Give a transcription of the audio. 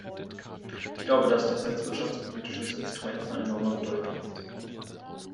Ich glaube, dass das als wirtschaftspolitisches Instrument von enormer Bedeutung ist.